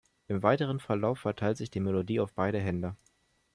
Im weiteren Verlauf verteilt sich die Melodie auf beide Hände.